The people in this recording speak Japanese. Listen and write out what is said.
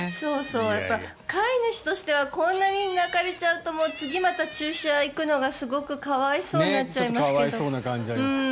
飼い主としてはこんなに鳴かれちゃうともう次、また注射に行くのがすごく可哀想になっちゃいますけど。